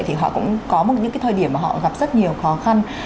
thì họ cũng có một những cái thời điểm mà họ gặp rất nhiều khó khăn